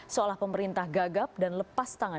seolah pemerintah gagap dan lepas tangan